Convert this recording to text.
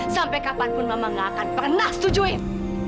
sampai kapanpun mama gak akan pernah setujuin